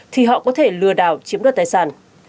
thì họ có thể lừa đảo chiếm đoạt tài sản